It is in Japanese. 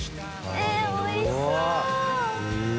えぇおいしそう。